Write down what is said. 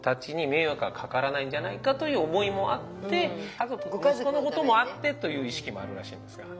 家族と息子のこともあってという意識もあるらしいんですが。